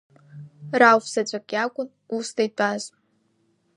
Рауфзаҵәык иакәын усда итәаз.